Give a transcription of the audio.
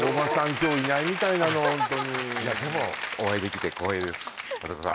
今日いないみたいなのさすがでもお会いできて光栄ですマツコさん